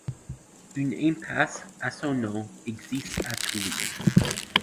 Une impasse à son nom existe à Toulouse.